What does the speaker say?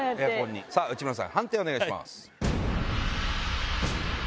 内村さん判定お願いします。